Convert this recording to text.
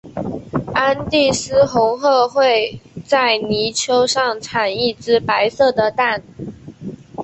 安第斯红鹳会在泥丘上产一只白色的蛋。